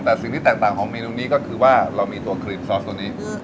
แต่สิ่งที่แตกต่างของเมนูนี้ก็คือว่าเรามีตัวครีมซอสตัวนี้